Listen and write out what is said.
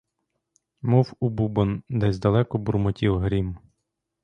Мов у бубон, десь далеко бурмотів грім.